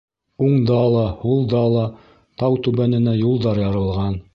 Уңда ла, һулда ла тау түбәненә юлдар ярылған.